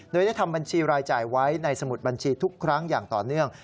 โดยได้ทำบัญชีรายจ่ายไว้ในสมุดบัญชีทุกครั้งอย่างต่อเนื่อง